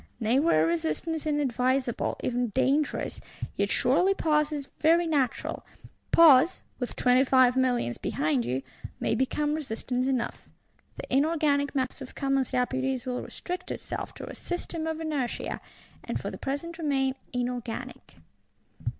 Nay were resistance unadvisable, even dangerous, yet surely pause is very natural: pause, with Twenty five Millions behind you, may become resistance enough.—The inorganic mass of Commons Deputies will restrict itself to a "system of inertia," and for the present remain inorganic.